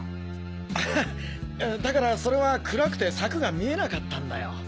アハだからそれは暗くて柵が見えなかったんだよ。